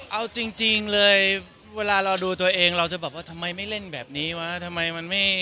เอาจริงเลยเวลาเราดูตัวเองเราจะแบบว่าทำไมไม่เล่นแบบนี้วะทำไมมันไม่